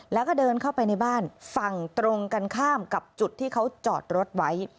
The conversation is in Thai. แล้วก็เดินเข้าไปในบ้านฝั่งตรงกันข้ามกับจุดที่เขาจอดรถไว้